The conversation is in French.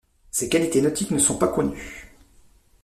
Ses qualités nautiques ne sont pas connues.